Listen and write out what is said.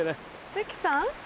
関さん？